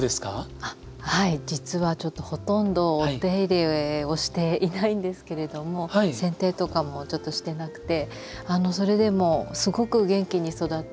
はい実はほとんどお手入れをしていないんですけれどもせん定とかもちょっとしてなくてそれでもすごく元気に育ってくれていて。